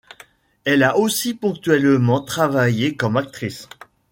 Elle a aussi ponctuellement travaillé comme actrice.